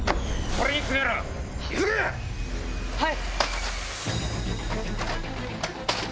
はい。